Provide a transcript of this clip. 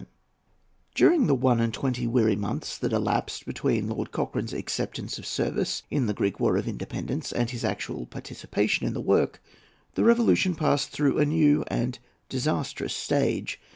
] During the one and twenty weary months that elapsed between Lord Cochrane's acceptance of service in the Greek War of Independence and his actual participation in the work, the Revolution passed through a new and disastrous stage.